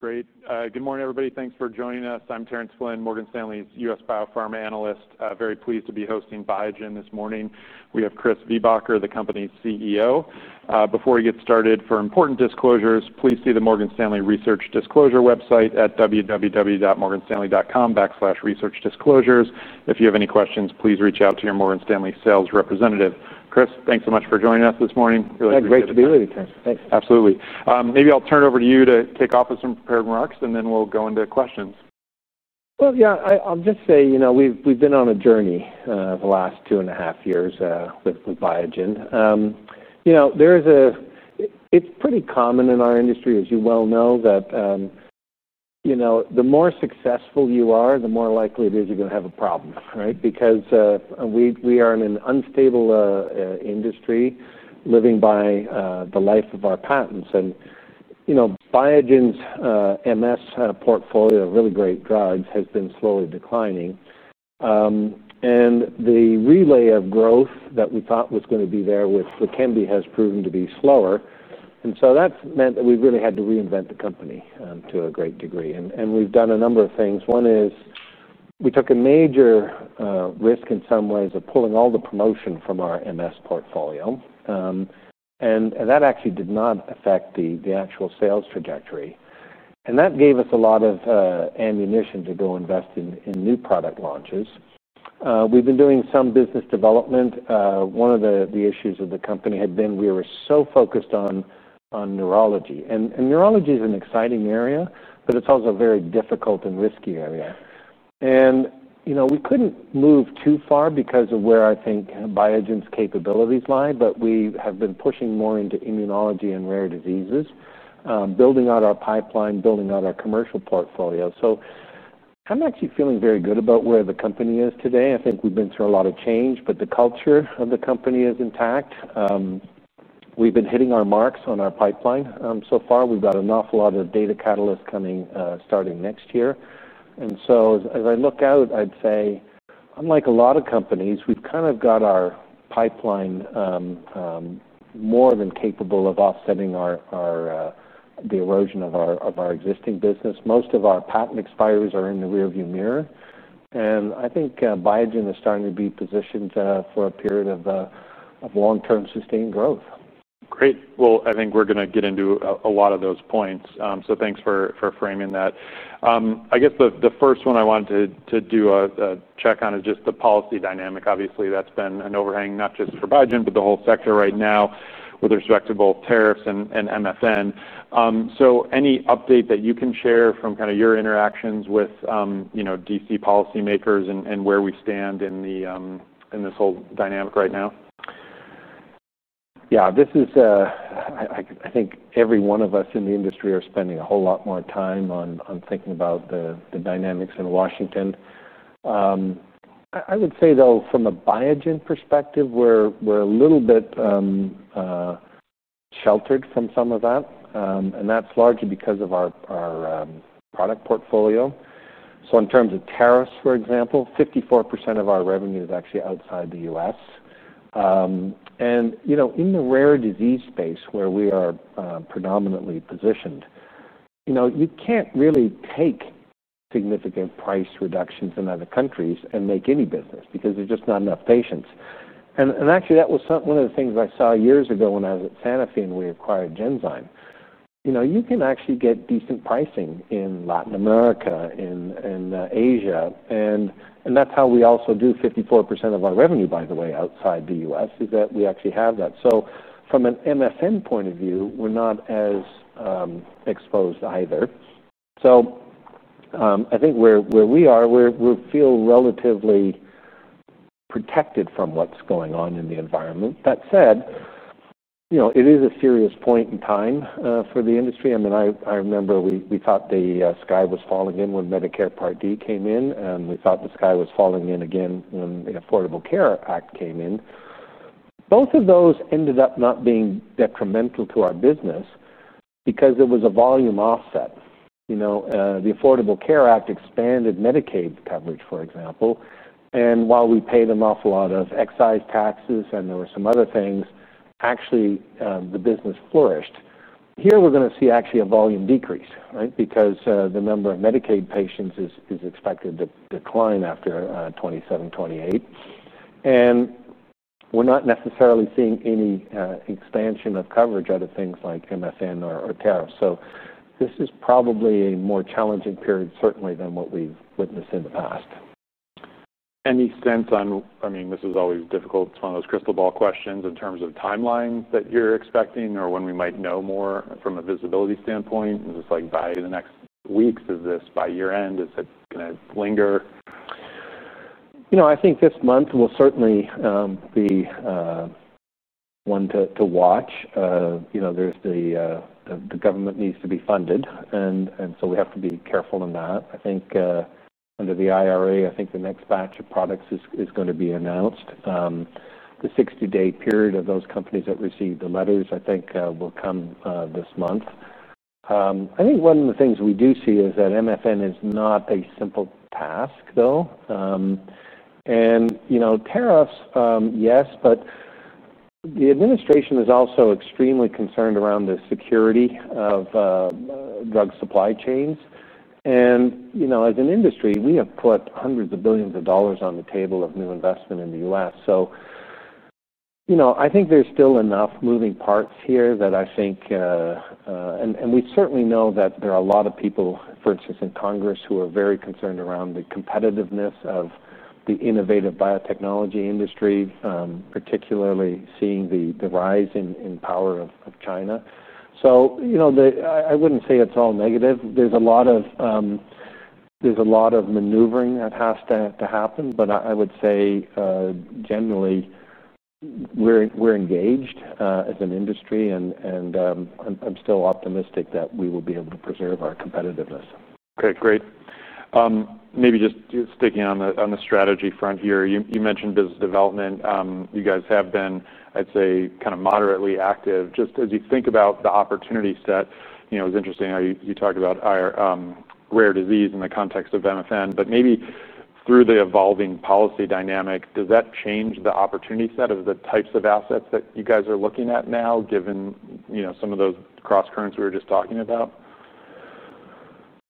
Great. Good morning, everybody. Thanks for joining us. I'm Terence Flynn, Morgan Stanley's U.S. Biopharma Analyst. Very pleased to be hosting Biogen this morning. We have Chris Viehbacher, the company's CEO. Before we get started, for important disclosures, please see the Morgan Stanley research disclosure website at www.morganstanley.com/researchdisclosures. If you have any questions, please reach out to your Morgan Stanley sales representative. Chris, thanks so much for joining us this morning. It's great to be with you, Terence. Absolutely. Maybe I'll turn it over to you to kick off with some prepared remarks, and then we'll go into questions. I’ll just say, you know, we’ve been on a journey the last two and a half years with Biogen. It’s pretty common in our industry, as you well know, that the more successful you are, the more likely it is you’re going to have a problem, right? Because we are in an unstable industry living by the life of our patents. You know, Biogen’s MS portfolio of really great drugs has been slowly declining. The relay of growth that we thought was going to be there with LEQEMBI has proven to be slower. That meant that we really had to reinvent the company to a great degree. We’ve done a number of things. One is we took a major risk in some ways of pulling all the promotion from our MS portfolio. That actually did not affect the actual sales trajectory. That gave us a lot of ammunition to go invest in new product launches. We’ve been doing some business development. One of the issues the company had been we were so focused on neurology. Neurology is an exciting area, but it’s also a very difficult and risky area. You know, we couldn’t move too far because of where I think Biogen’s capabilities lie, but we have been pushing more into immunology and rare diseases, building out our pipeline, building out our commercial portfolio. I’m actually feeling very good about where the company is today. I think we’ve been through a lot of change, but the culture of the company is intact. We’ve been hitting our marks on our pipeline so far. We’ve got an awful lot of data catalysts coming starting next year. As I look out, I’d say, unlike a lot of companies, we’ve kind of got our pipeline more than capable of offsetting the erosion of our existing business. Most of our patent expires are in the rearview mirror. I think Biogen is starting to be positioned for a period of long-term sustained growth. Great. I think we're going to get into a lot of those points. Thanks for framing that. I guess the first one I wanted to do a check on is just the policy dynamic. Obviously, that's been an overhang, not just for Biogen, but the whole sector right now with respect to both tariffs and MFN. Any update that you can share from your interactions with, you know, D.C. policymakers and where we stand in this whole dynamic right now? Yeah, I think every one of us in the industry is spending a whole lot more time on thinking about the dynamics in Washington. I would say, though, from a Biogen perspective, we're a little bit sheltered from some of that, and that's largely because of our product portfolio. In terms of tariffs, for example, 54% of our revenue is actually outside the U.S., and in the rare disease space where we are predominantly positioned, you can't really take significant price reductions in other countries and make any business because there's just not enough patients. That was one of the things I saw years ago when I was at Sanofi and we acquired Genzyme. You can actually get decent pricing in Latin America and Asia, and that's how we also do 54% of our revenue, by the way, outside the U.S., is that we actually have that. From an MFN point of view, we're not as exposed either. I think where we are, we feel relatively protected from what's going on in the environment. That said, it is a serious point in time for the industry. I remember we thought the sky was falling in when Medicare Part D came in, and we thought the sky was falling in again when the Affordable Care Act came in. Both of those ended up not being detrimental to our business because it was a volume offset. The Affordable Care Act expanded Medicaid coverage, for example, and while we paid an awful lot of excise taxes and there were some other things, the business actually flourished. Here, we're going to see actually a volume decrease, right, because the number of Medicaid patients is expected to decline after 2027, 2028, and we're not necessarily seeing any expansion of coverage out of things like MFN or tariffs. This is probably a more challenging period, certainly, than what we've witnessed in the past. To the extent, I mean, this is always difficult. It's one of those crystal ball questions in terms of timeline that you're expecting or when we might know more from a visibility standpoint. Is this like by the next weeks? Is this by year end? Is it going to linger? You know. I think this month will certainly be one to watch. There's the government needs to be funded, and we have to be careful in that. I think under the IRA, the next batch of products is going to be announced. The 60-day period of those companies that receive the letters will come this month. One of the things we do see is that MFN is not a simple task, though. Tariffs, yes, but the administration is also extremely concerned around the security of drug supply chains. As an industry, we have put hundreds of billions of dollars on the table of new investment in the U.S. I think there's still enough moving parts here, and we certainly know that there are a lot of people, for instance, in Congress who are very concerned around the competitiveness of the innovative biotechnology industry, particularly seeing the rise in power of China. I wouldn't say it's all negative. There's a lot of maneuvering that has to happen, but I would say, generally, we're engaged as an industry, and I'm still optimistic that we will be able to preserve our competitiveness. Okay, great. Maybe just sticking on the strategy front here, you mentioned business development. You guys have been, I'd say, kind of moderately active. Just as you think about the opportunity set, it was interesting how you talked about our rare disease in the context of MFN, but maybe through the evolving policy dynamic, does that change the opportunity set of the types of assets that you guys are looking at now, given some of those cross-currents we were just talking about?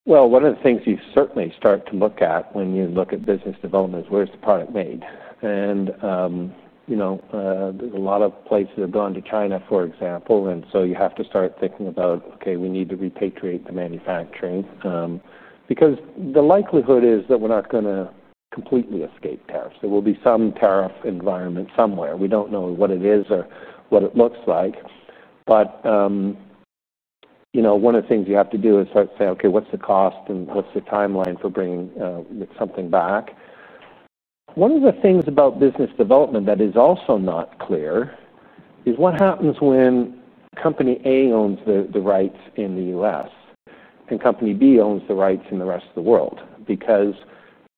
One of the things you certainly start to look at when you look at business development is where's the product made? You know, there's a lot of places that have gone to China, for example, and you have to start thinking about, okay, we need to repatriate the manufacturing. The likelihood is that we're not going to completely escape tariffs. There will be some tariff environment somewhere. We don't know what it is or what it looks like. One of the things you have to do is start to say, okay, what's the cost and what's the timeline for bringing something back? One of the things about business development that is also not clear is what happens when company A owns the rights in the U.S. and company B owns the rights in the rest of the world?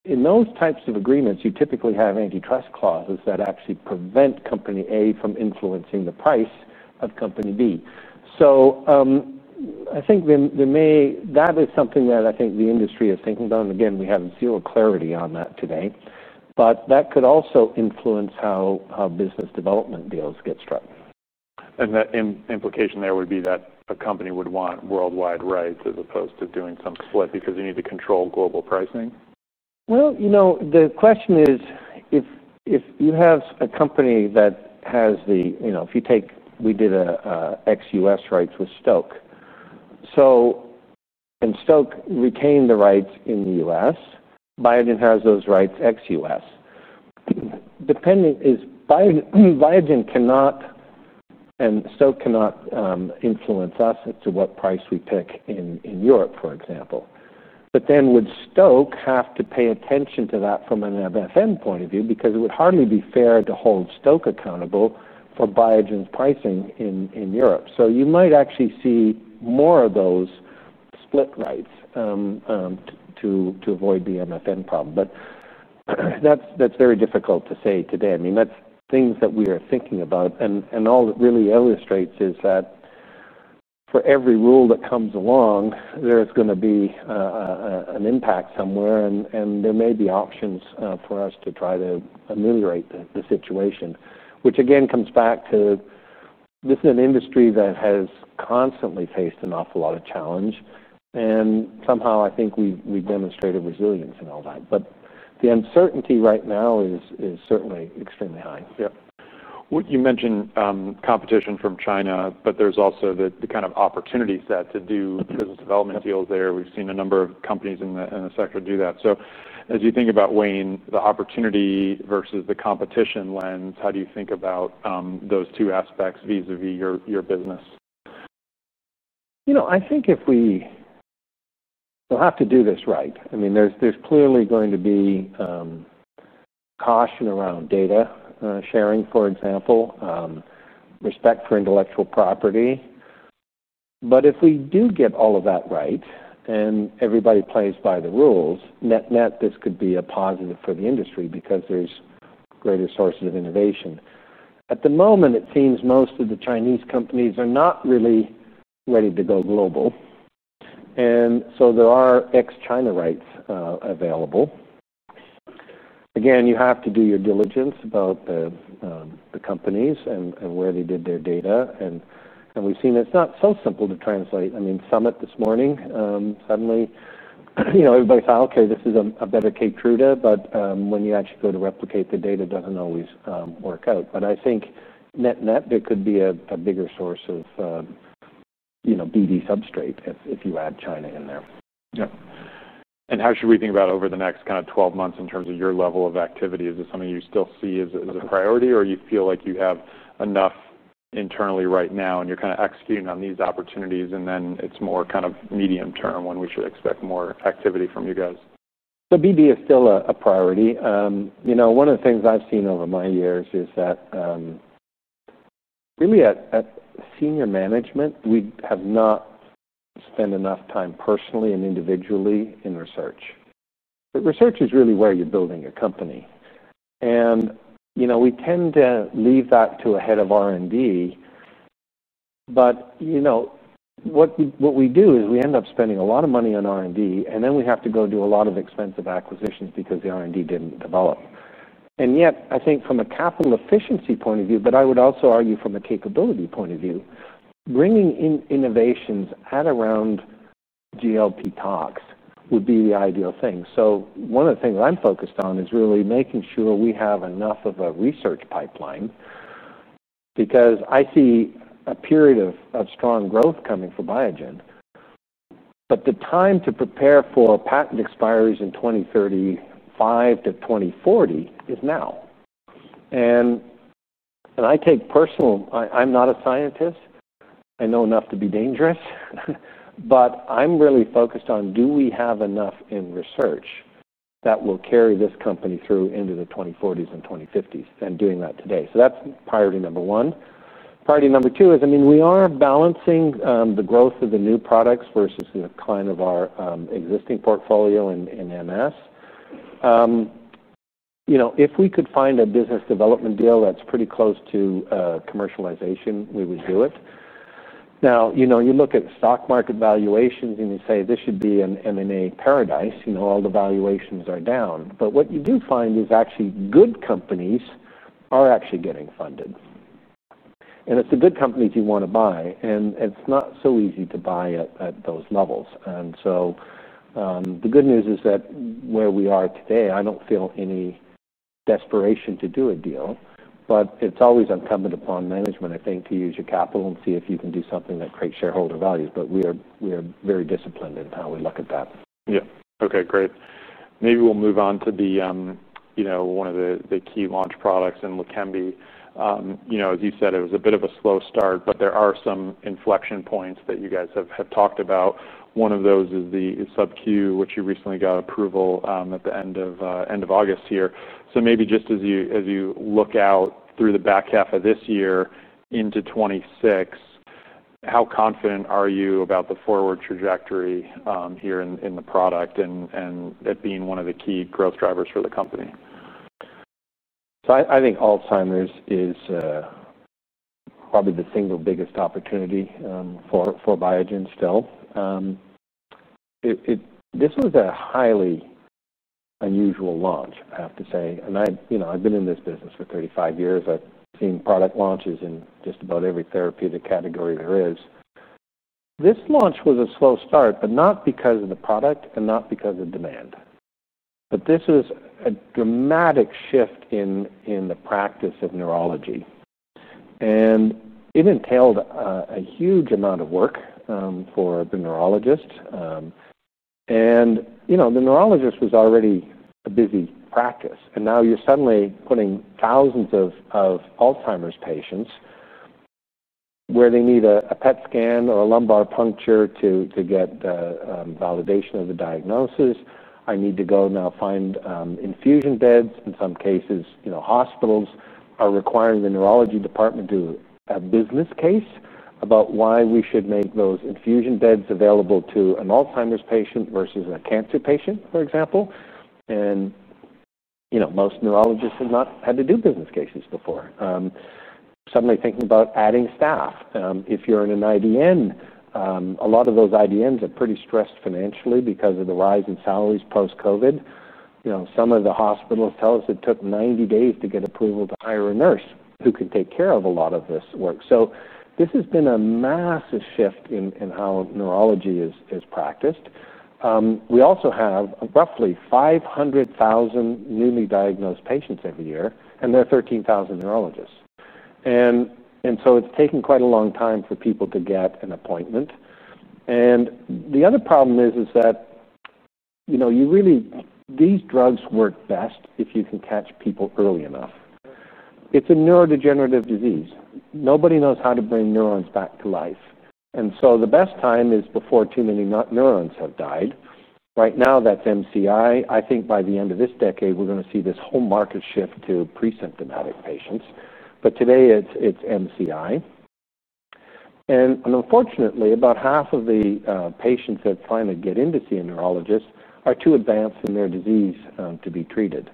In those types of agreements, you typically have anti-class clauses that actually prevent company A from influencing the price of company B. I think that is something that the industry is thinking about. We have zero clarity on that today. That could also influence how business development deals get struck. The implication there would be that a company would want worldwide rights as opposed to doing some split because you need to control global pricing? The question is if you have a company that has the, you know, if you take, we did an ex-U.S. rights with Stoke. Stoke retained the rights in the U.S., Biogen has those rights ex-U.S. Biogen cannot, and Stoke cannot influence us as to what price we pick in Europe, for example. Then would Stoke have to pay attention to that from an MFN point of view because it would hardly be fair to hold Stoke accountable for Biogen's pricing in Europe. You might actually see more of those split rights to avoid the MFN problem. That is very difficult to say today. I mean, those are things that we are thinking about. All it really illustrates is that for every rule that comes along, there is going to be an impact somewhere. There may be options for us to try to ameliorate the situation, which again comes back to this is an industry that has constantly faced an awful lot of challenge. Somehow, I think we've demonstrated resilience in all that. The uncertainty right now is certainly extremely high. You mentioned competition from China, but there's also the kind of opportunity set to do business development deals there. We've seen a number of companies in the sector do that. As you think about weighing the opportunity versus the competition lens, how do you think about those two aspects vis-à-vis your business? I think if we do this right, there's clearly going to be caution around data sharing, for example, respect for intellectual property. If we do get all of that right and everybody plays by the rules, net-net, this could be a positive for the industry because there's greater sources of innovation. At the moment, it seems most of the Chinese companies are not really ready to go global, so there are ex-China rights available. You have to do your diligence about the companies and where they did their data. We've seen it's not so simple to translate. Summit this morning, suddenly, everybody thought, okay, this is a better cake true, but when you actually go to replicate the data, it doesn't always work out. I think net-net, there could be a bigger source of business development substrate if you add China in there. How should we think about over the next kind of 12 months in terms of your level of activity? Is this something you still see as a priority, or do you feel like you have enough internally right now and you're kind of executing on these opportunities, and then it's more kind of medium-term when we should expect more activity from you guys? BD is still a priority. One of the things I've seen over my years is that really at senior management, we have not spent enough time personally and individually in research. Research is really where you're building your company. We tend to leave that to a Head of R&D. What we do is we end up spending a lot of money on R&D, and then we have to go do a lot of expensive acquisitions because the R&D didn't develop. I think from a capital efficiency point of view, but I would also argue from a capability point of view, bringing in innovations at around GLP tox would be the ideal thing. One of the things I'm focused on is really making sure we have enough of a research pipeline because I see a period of strong growth coming for Biogen. The time to prepare for patent expiry in 2035 - 2040 is now. I take personal, I'm not a scientist. I know enough to be dangerous. I'm really focused on do we have enough in research that will carry this company through into the 2040s and 2050s and doing that today. That's priority number one. Priority number two is, I mean, we are balancing the growth of the new products versus the decline of our existing portfolio in MS. If we could find a business development deal that's pretty close to commercialization, we would do it. You look at the stock market valuations and you say this should be an M&A paradise. All the valuations are down. What you do find is actually good companies are actually getting funded. It's the good companies you want to buy. It's not so easy to buy at those levels. The good news is that where we are today, I don't feel any desperation to do a deal. It's always incumbent upon management, I think, to use your capital and see if you can do something that creates shareholder value. We are very disciplined in how we look at that. Yeah. Okay, great. Maybe we'll move on to one of the key launch products in LEQEMBI. As you said, it was a bit of a slow start, but there are some inflection points that you guys have talked about. One of those is the subcutaneous formulation, which you recently got approval at the end of August here. Maybe just as you look out through the back half of this year into 2026, how confident are you about the forward trajectory here in the product and it being one of the key growth drivers for the company? I think all-time is probably the single biggest opportunity for Biogen, still. This was a highly unusual launch, I have to say. I've been in this business for 35 years. I've seen product launches in just about every therapeutic category there is. This launch was a slow start, not because of the product and not because of demand. This was a dramatic shift in the practice of neurology. It entailed a huge amount of work for the neurologist. The neurologist was already a busy practice. Now you're suddenly putting thousands of Alzheimer's patients where they need a PET scan or a lumbar puncture to get the validation of the diagnosis. I need to go now find infusion beds. In some cases, hospitals are requiring the neurology department to do a business case about why we should make those infusion beds available to an Alzheimer's patient versus a cancer patient, for example. Most neurologists have not had to do business cases before. Suddenly thinking about adding staff. If you're in an IDN, a lot of those IDNs are pretty stressed financially because of the rise in salaries post-COVID. Some of the hospitals tell us it took 90 days to get approval to hire a nurse who could take care of a lot of this work. This has been a massive shift in how neurology is practiced. We also have roughly 500,000 newly diagnosed patients every year, and there are 13,000 neurologists. It's taken quite a long time for people to get an appointment. The other problem is that these drugs work best if you can catch people early enough. It's a neurodegenerative disease. Nobody knows how to bring neurons back to life. The best time is before too many neurons have died. Right now, that's MCI. I think by the end of this decade, we're going to see this whole market shift to pre-symptomatic patients. Today, it's MCI. Unfortunately, about half of the patients that finally get in to see a neurologist are too advanced in their disease to be treated.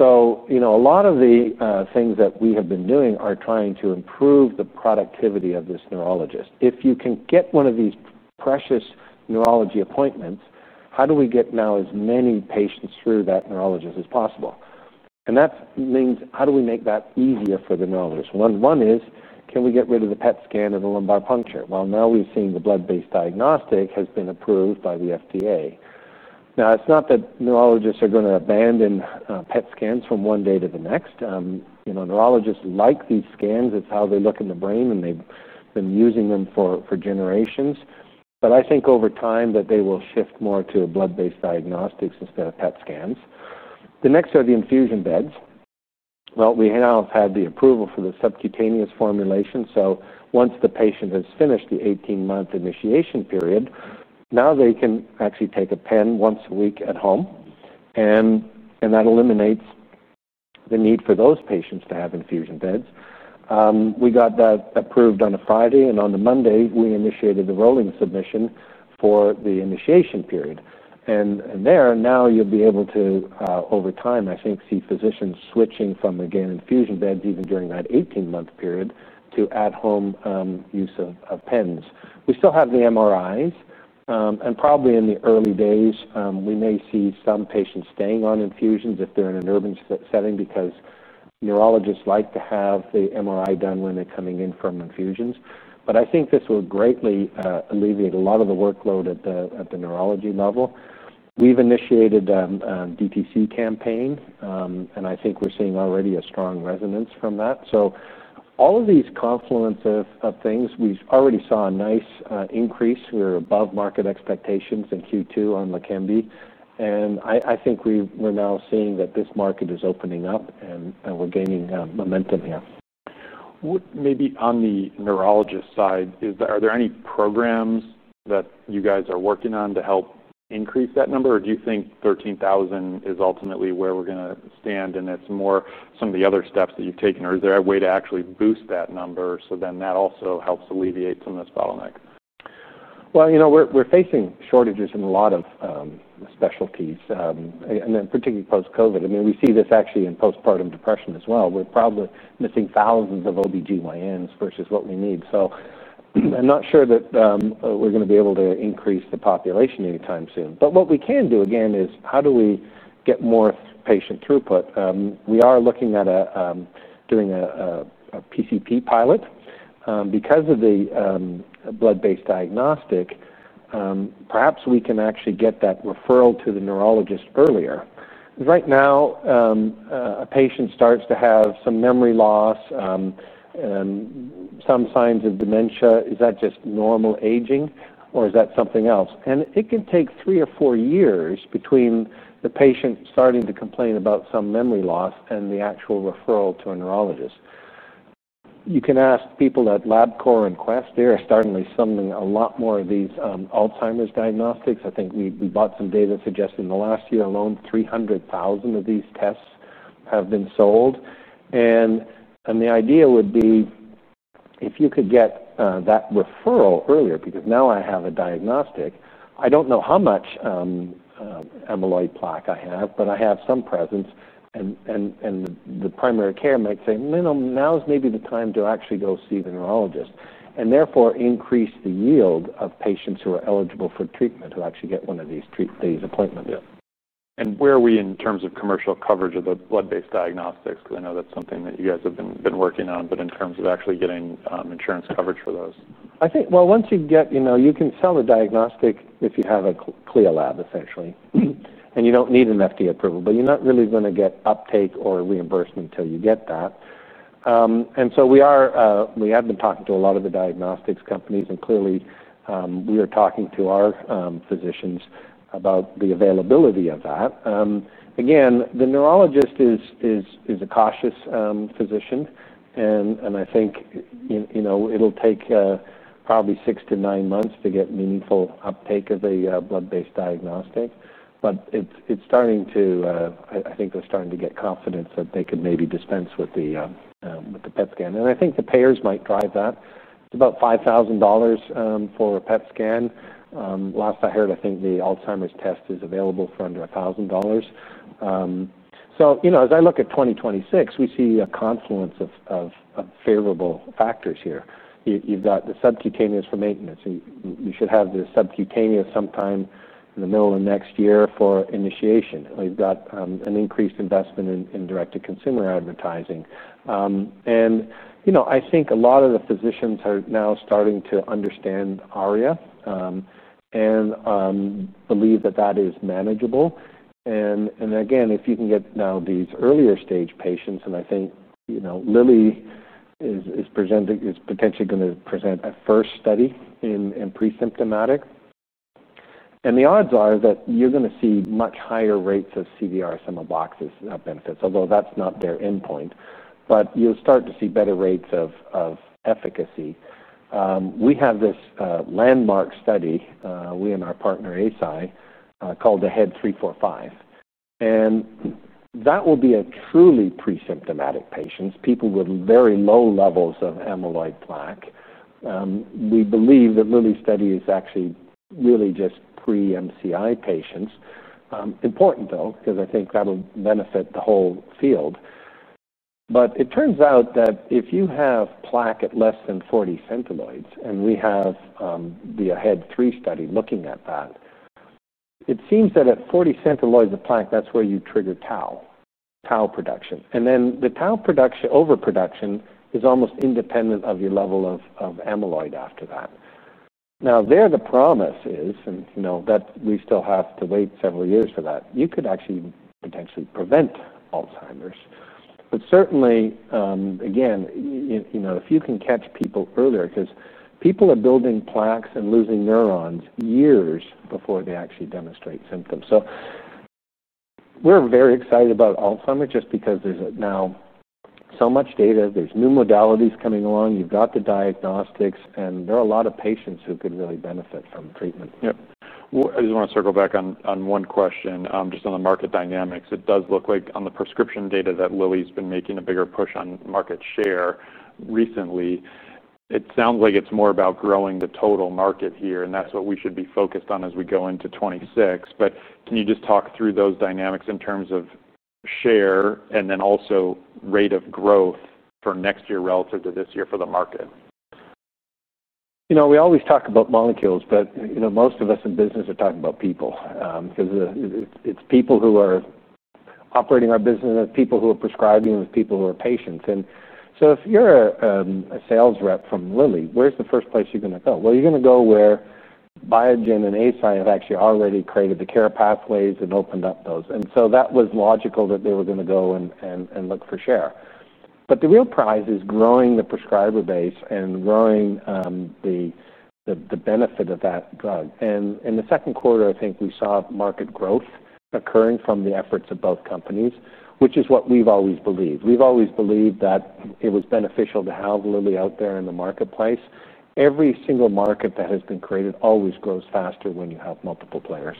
A lot of the things that we have been doing are trying to improve the productivity of this neurologist. If you can get one of these precious neurology appointments, how do we get now as many patients through that neurologist as possible? That means, how do we make that easier for the neurologist? One is, can we get rid of the PET scan and the lumbar puncture? Now we've seen the blood-based diagnostic has been approved by the FDA. It's not that neurologists are going to abandon PET scans from one day to the next. Neurologists like these scans. It's how they look in the brain, and they've been using them for generations. I think over time that they will shift more to blood-based diagnostics instead of PET scans. The next are the infusion beds. We now have had the approval for the subcutaneous formulation. Once the patient has finished the 18-month initiation period, they can actually take a pen once a week at home. That eliminates the need for those patients to have infusion beds. We got that approved on a Friday, and on the Monday, we initiated the rolling submission for the initiation period. Over time, I think you'll be able to see physicians switching from, again, infusion beds even during that 18-month period to at-home use of pens. We still have the MRIs. Probably in the early days, we may see some patients staying on infusions if they're in an urban setting because neurologists like to have the MRI done when they're coming in from infusions. I think this will greatly alleviate a lot of the workload at the neurology level. We've initiated a DTC campaign, and I think we're seeing already a strong resonance from that. All of these confluence of things, we already saw a nice increase. We were above market expectations in Q2 on LEQEMBI. I think we're now seeing that this market is opening up and we're gaining momentum here. Maybe on the neurologist side, are there any programs that you guys are working on to help increase that number, or do you think 13,000 is ultimately where we're going to stand and it's more some of the other steps that you've taken, or is there a way to actually boost that number so then that also helps alleviate some of this bottleneck? You know, we're facing shortages in a lot of specialties, particularly post-COVID. I mean, we see this actually in postpartum depression as well. We're probably missing thousands of OBGYNs versus what we need. I'm not sure that we're going to be able to increase the population anytime soon. What we can do, again, is how do we get more patient throughput? We are looking at doing a PCP pilot. Because of the blood-based diagnostic, perhaps we can actually get that referral to the neurologist earlier. Right now, a patient starts to have some memory loss and some signs of dementia. Is that just normal aging, or is that something else? It can take three or four years between the patient starting to complain about some memory loss and the actual referral to a neurologist. You can ask people at Labcorp and Quest. They're starting to be selling a lot more of these Alzheimer's diagnostics. I think we bought some data that suggests in the last year alone, 300,000 of these tests have been sold. The idea would be if you could get that referral earlier, because now I have a diagnostic. I don't know how much amyloid plaque I have, but I have some presence. The primary care might say, you know, now's maybe the time to actually go see the neurologist and therefore increase the yield of patients who are eligible for treatment, who actually get one of these appointments. Yeah. Where are we in terms of commercial coverage of the blood-based diagnostics? I know that's something that you guys have been working on, but in terms of actually getting insurance coverage for those? I think once you get, you know, you can sell the diagnostic if you have a clear lab, essentially. You don't need an FDA approval, but you're not really going to get uptake or reimbursement until you get that. We have been talking to a lot of the diagnostics companies, and clearly, we are talking to our physicians about the availability of that. Again, the neurologist is a cautious physician. I think it'll take probably six to nine months to get meaningful uptake of a blood-based diagnostic. It's starting to, I think they're starting to get confidence that they could maybe dispense with the PET scan. I think the payers might drive that. It's about $5,000 for a PET scan. Last I heard, I think the Alzheimer's test is available for under $1,000. As I look at 2026, we see a confluence of favorable factors here. You've got the subcutaneous for maintenance. You should have the subcutaneous sometime in the middle of next year for initiation. You've got an increased investment in direct-to-consumer advertising. I think a lot of the physicians are now starting to understand ARIA and believe that that is manageable. If you can get now these earlier stage patients, I think Lilly is potentially going to present a first study in pre-symptomatic. The odds are that you're going to see much higher rates of CDR, some of the boxes benefits, although that's not their endpoint. You'll start to see better rates of efficacy. We have this landmark study, we and our partner Eisai, called the AHEAD 3-45. That will be a truly pre-symptomatic patient, people with very low levels of amyloid plaque. We believe that Lilly's study is actually really just pre-MCI patients. Important, though, because I think that'll benefit the whole field. It turns out that if you have plaque at less than 40 Centiloids, and we have the AHEAD 3 study looking at that, it seems that at 40 Centiloids of plaque, that's where you trigger tau, tau production. The tau overproduction is almost independent of your level of amyloid after that. There the promise is, and you know that we still have to wait several years for that, you could actually potentially prevent Alzheimer's. Certainly, again, if you can catch people earlier, because people are building plaques and losing neurons years before they actually demonstrate symptoms. We're very excited about Alzheimer's just because there's now so much data, there's new modalities coming along, you've got the diagnostics, and there are a lot of patients who could really benefit from treatment. Yeah. I just want to circle back on one question, just on the market dynamics. It does look like on the prescription data that Lilly's been making a bigger push on market share recently. It sounds like it's more about growing the total market here, and that's what we should be focused on as we go into 2026. Can you just talk through those dynamics in terms of share, and then also rate of growth for next year relative to this year for the market? You know, we always talk about molecules, but most of us in business are talking about people because it's people who are operating our business, and it's people who are prescribing, and it's people who are patients. If you're a sales rep from Lilly, where's the first place you're going to go? You're going to go where Biogen and Eisai have actually already created the care pathways and opened up those. That was logical that they were going to go and look for share. The real prize is growing the prescriber base and growing the benefit of that drug. In the second quarter, I think we saw market growth occurring from the efforts of both companies, which is what we've always believed. We've always believed that it was beneficial to have Lilly out there in the marketplace. Every single market that has been created always grows faster when you have multiple players.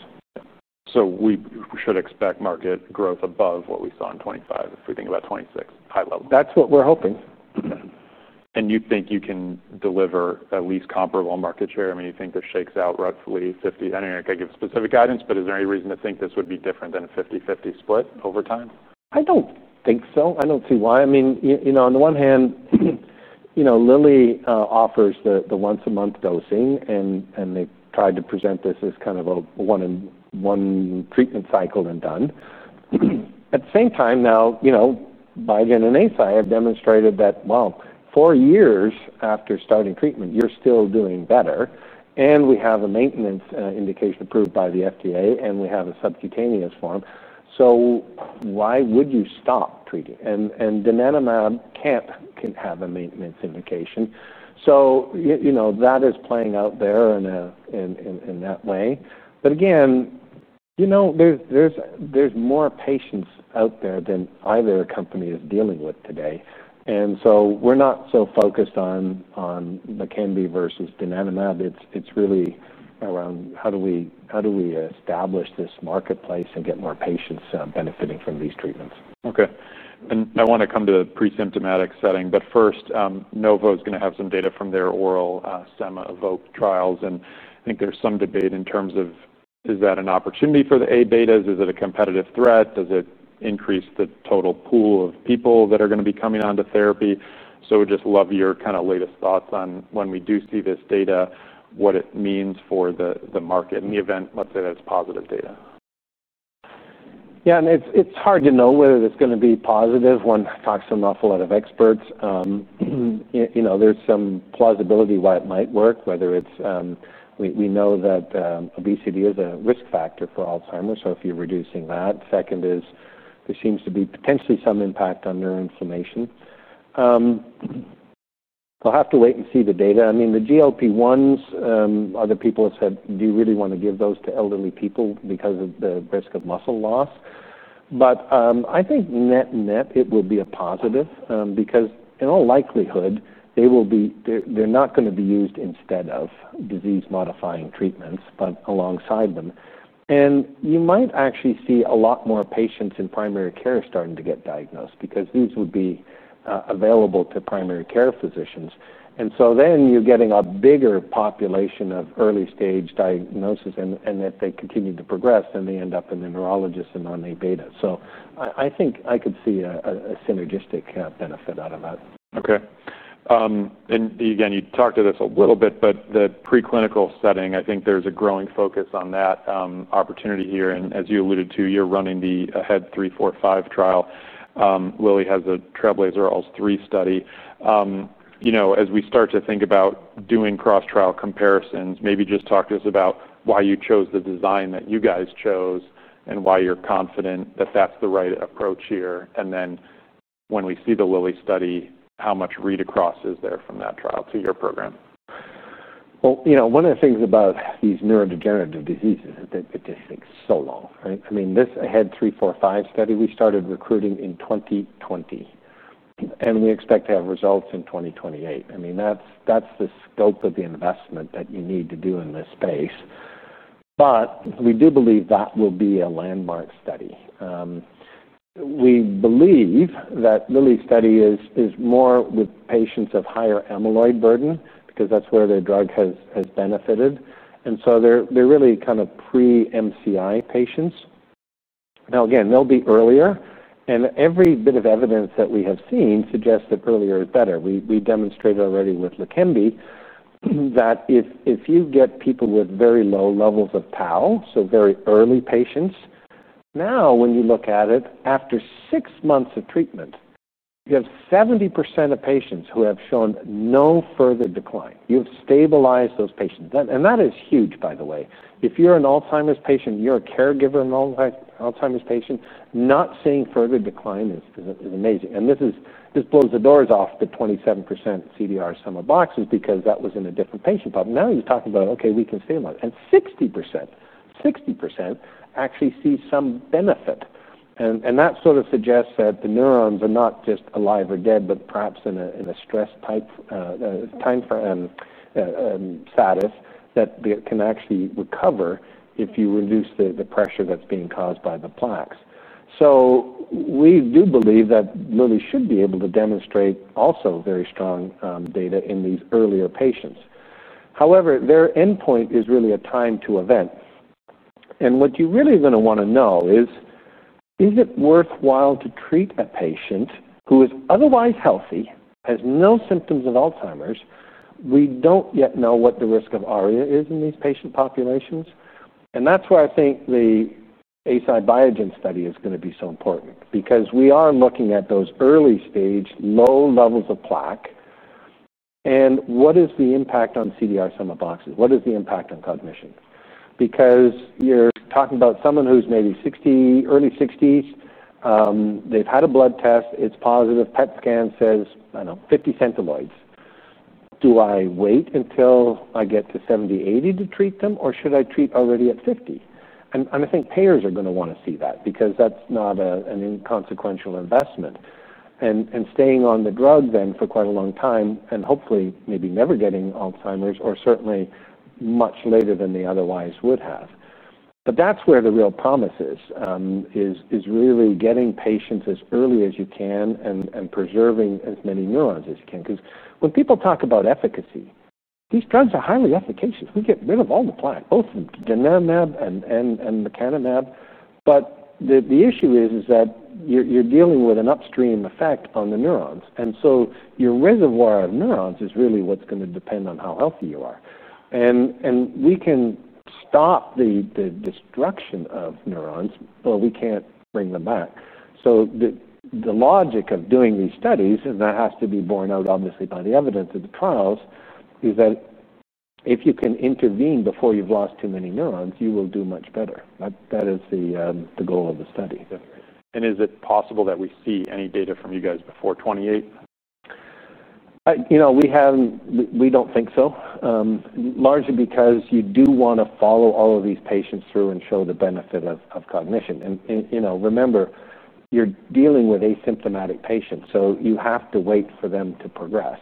We should expect market growth above what we saw in 2025 if we think about 2026 high level. That's what we're hoping. Do you think you can deliver at least comparable market share? You think this shakes out roughly 50%? I don't know if I can give specific guidance, but is there any reason to think this would be different than a 50/50 split over time? I don't think so. I don't see why. I mean, on the one hand, Lilly offers the once-a-month dosing, and they tried to present this as kind of a one-treatment cycle and done. At the same time, Biogen and Eisai have demonstrated that, four years after starting treatment, you're still doing better. We have a maintenance indication approved by the FDA, and we have a subcutaneous form. Why would you stop treating? Donanemab can't have a maintenance indication. That is playing out there in that way. There are more patients out there than either company is dealing with today. We're not so focused on LEQEMBI versus donanemab. It's really around how do we establish this marketplace and get more patients benefiting from these treatments. Okay. I want to come to the pre-symptomatic setting. First, Novo is going to have some data from their oral sema EVOKE trials. I think there's some debate in terms of, is that an opportunity for the A-beta? Is it a competitive threat? Does it increase the total pool of people that are going to be coming onto therapy? We'd just love your kind of latest thoughts on when we do see this data, what it means for the market in the event, let's say that's positive data. Yeah, and it's hard to know whether it's going to be positive when talking to an awful lot of experts. You know, there's some plausibility why it might work, whether it's, we know that obesity is a risk factor for Alzheimer's. If you're reducing that, second is there seems to be potentially some impact on neuroinflammation. We'll have to wait and see the data. I mean, the GLP-1s, other people have said, do you really want to give those to elderly people because of the risk of muscle loss? I think net-net, it will be a positive because in all likelihood, they will be, they're not going to be used instead of disease-modifying treatments, but alongside them. You might actually see a lot more patients in primary care starting to get diagnosed because these would be available to primary care physicians. Then you're getting a bigger population of early-stage diagnosis and that they continue to progress and they end up in the neurologists and on A-beta. I think I could see a synergistic benefit out of that. Okay. You talked to this a little bit, but the preclinical setting, I think there's a growing focus on that opportunity here. As you alluded to, you're running the AHEAD 3-45 trial. Lilly has a TRAILBLAZER- ALZ 3 study. As we start to think about doing cross-trial comparisons, maybe just talk to us about why you chose the design that you guys chose and why you're confident that that's the right approach here. When we see the Lilly study, how much read across is there from that trial to your program? One of the things about these neurodegenerative diseases is that they take so long, right? I mean, this AHEAD 3-45 study, we started recruiting in 2020, and we expect to have results in 2028. That's the scope of the investment that you need to do in this space. We do believe that will be a landmark study. We believe that Lilly's study is more with patients of higher amyloid burden because that's where their drug has benefited, and so they're really kind of pre-MCI patients. Now, again, they'll be earlier, and every bit of evidence that we have seen suggests that earlier is better. We demonstrated already with LEQEMBI that if you get people with very low levels of tau, so very early patients, now when you look at it, after six months of treatment, you have 70% of patients who have shown no further decline. You have stabilized those patients, and that is huge, by the way. If you're an Alzheimer's patient, you're a caregiver of an Alzheimer's patient, not seeing further decline is amazing. This pulls the doors off the 27% CDR sum of boxes because that was in a different patient problem. Now you talk about, okay, we can see a lot, and 60%, 60% actually see some benefit. That sort of suggests that the neurons are not just alive or dead, but perhaps in a stress-type time frame status that they can actually recover if you reduce the pressure that's being caused by the plaques. We do believe that Lilly should be able to demonstrate also very strong data in these earlier patients. However, their endpoint is really a time-to-event, and what you're really going to want to know is, is it worthwhile to treat a patient who is otherwise healthy, has no symptoms of Alzheimer's? We don't yet know what the risk of ARIA is in these patient populations, and that's where I think the Eisai- Biogen study is going to be so important because we are looking at those early-stage, low levels of plaque. What is the impact on CDR sum of boxes? What is the impact on cognition? You're talking about someone who's maybe 60, early 60s. They've had a blood test, it's positive. PET scan says, I don't know, 50 Centiloids. Do I wait until I get to 70, 80 to treat them, or should I treat already at 50? I think payers are going to want to see that because that's not an inconsequential investment, and staying on the drug then for quite a long time and hopefully maybe never getting Alzheimer's or certainly much later than they otherwise would have. That is where the real promise is, really getting patients as early as you can and preserving as many neurons as you can. When people talk about efficacy, these drugs are highly efficacious. We get rid of all the plaque, both donanemab and lecanemab. The issue is that you're dealing with an upstream effect on the neurons, so your reservoir of neurons is really what's going to depend on how healthy you are. We can stop the destruction of neurons, but we can't bring them back. The logic of doing these studies, and that has to be borne out obviously by the evidence of the trials, is that if you can intervene before you've lost too many neurons, you will do much better. That is the goal of the study. Is it possible that we see any data from you guys before 2028? We don't think so, largely because you do want to follow all of these patients through and show the benefit of cognition. Remember, you're dealing with asymptomatic patients, so you have to wait for them to progress.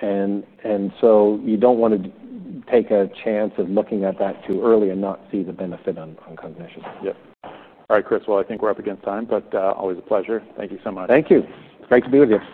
You don't want to take a chance of looking at that too early and not see the benefit on cognition. All right, Chris, I think we're up against time, but always a pleasure. Thank you so much. Thank you. It's great to be with you.